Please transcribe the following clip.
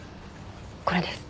これです。